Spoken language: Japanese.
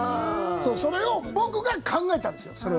それを僕が考えたんですよ。